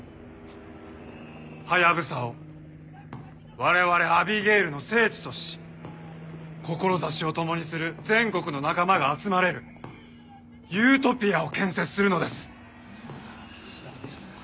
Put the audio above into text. ハヤブサを我々アビゲイルの聖地とし志を共にする全国の仲間が集まれるユートピアを建設するのです。